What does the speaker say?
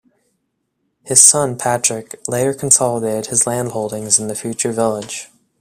His son, Patrick, later consolidated his land holdings in the future village.